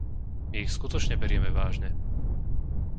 My ich skutočne berieme vážne.